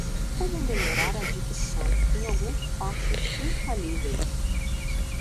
Como melhorar a dicção em alguns passos infalíveis